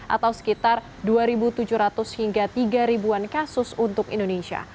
atau sekitar dua tujuh ratus hingga tiga an kasus untuk indonesia